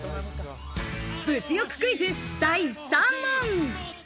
物欲クイズ、第３問。